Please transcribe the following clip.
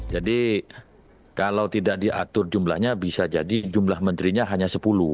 jadi kalau tidak diatur jumlahnya bisa jadi jumlah menterinya hanya sepuluh